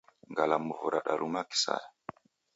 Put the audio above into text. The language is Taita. Ngalamvu radaluma kisaya.